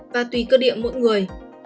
và tùy cơ địa mỗi người